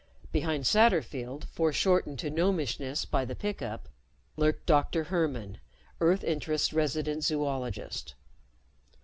Behind Satterfield, foreshortened to gnomishness by the pickup, lurked Dr. Hermann, Earth Interests' resident zoologist.